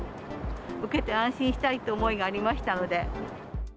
受けて安心したいという思いがありましたので。